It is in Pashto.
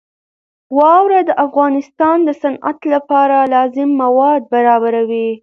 واوره د افغانستان د صنعت لپاره لازم مواد برابروي.